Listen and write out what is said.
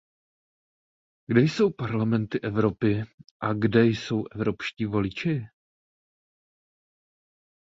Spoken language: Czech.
Kde jsou parlamenty Evropy a kde jsou evropští voliči?